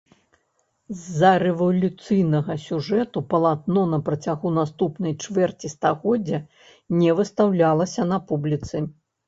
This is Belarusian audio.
З-за рэвалюцыйнага сюжэту палатно на працягу наступнай чвэрці стагоддзя не выстаўлялася на публіцы.